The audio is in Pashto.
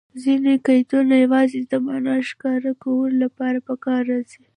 ځیني قیدونه یوازي د مانا د ښکاره کولو له پاره راځي.